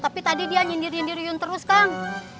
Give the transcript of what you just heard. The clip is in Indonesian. tapi tadi dia nyindir nyindir iyun terus kang